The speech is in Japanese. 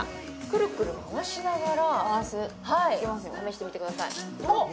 くるくる回しながら試してみてください